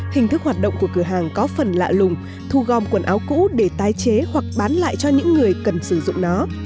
hình thức hoạt động của cửa hàng có phần lạ lùng thu gom quần áo cũ để tái chế hoặc bán lại cho những người cần sử dụng nó